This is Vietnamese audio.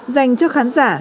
dành cho khán giả